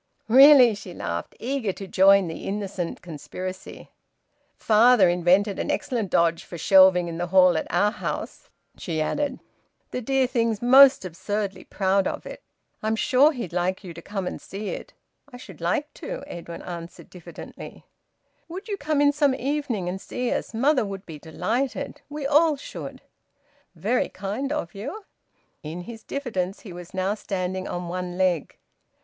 "Really!" She laughed, eager to join the innocent conspiracy. "Father invented an excellent dodge for shelving in the hall at our house," she added. "I'm sure he'd like you to come and see it. The dear thing's most absurdly proud of it." "I should like to," Edwin answered diffidently. "Would you come in some evening and see us? Mother would be delighted. We all should." "Very kind of you." In his diffidence he was now standing on one leg.